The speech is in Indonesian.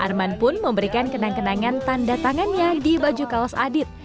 arman pun memberikan kenang kenangan tanda tangannya di baju kaos adit